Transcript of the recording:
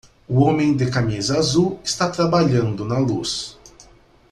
O homem de camisa azul está trabalhando na luz.